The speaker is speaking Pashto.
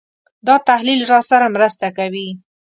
دا تحلیل راسره مرسته کوي.